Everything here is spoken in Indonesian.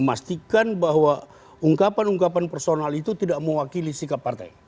memastikan bahwa ungkapan ungkapan personal itu tidak mewakili sikap partai